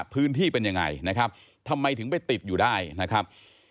พื้นที่เป็นยังไงนะครับทำไมถึงไปติดอยู่ได้นะครับ